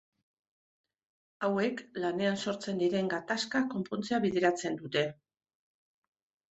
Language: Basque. Hauek lanean sortzen diren gatazkak konpontzea bideratzen dute.